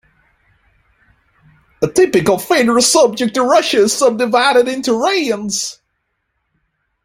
A typical federal subject of Russia is subdivided into raions.